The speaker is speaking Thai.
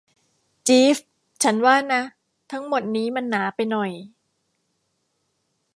จี๊ฟ ฉันว่านะ ทั้งหมดนี้มันหนาไปหน่อย